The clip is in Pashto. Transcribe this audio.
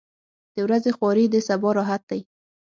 • د ورځې خواري د سبا راحت دی.